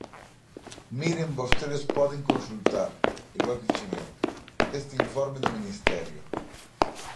Miren vostedes poden consultar, igual que fixen eu, este informe do ministerio.